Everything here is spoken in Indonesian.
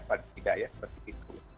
paling tidak ya seperti itu